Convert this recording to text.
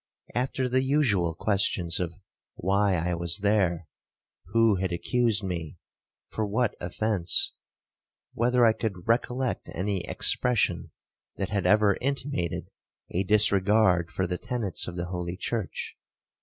After the usual questions of—Why I was there? who had accused me? for what offence? whether I could recollect any expression that had ever intimated a disregard for the tenets of the holy church?